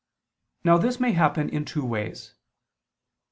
Now this may happen in two ways.